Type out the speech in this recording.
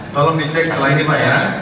tolong di cek setelah ini pak ya